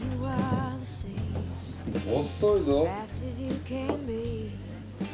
遅いぞ。